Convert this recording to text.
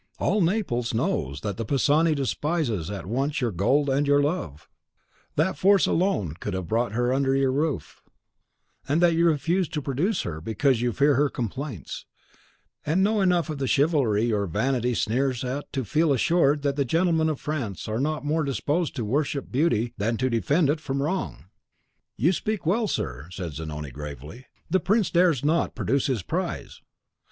All Naples knows that the Pisani despises at once your gold and your love; that force alone could have brought her under your roof; and that you refuse to produce her, because you fear her complaints, and know enough of the chivalry your vanity sneers at to feel assured that the gentlemen of France are not more disposed to worship beauty than to defend it from wrong.' "'You speak well, sir,' said Zanoni, gravely. 'The prince dares not produce his prize!